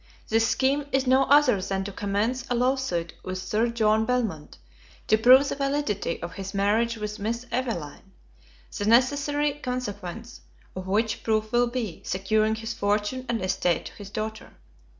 This scheme is no other than to commence a lawsuit with Sir John Belmont, to prove the validity of his marriage with Miss Evelyn; the necessary consequence of which proof will be, securing his fortune and estate to his daughter.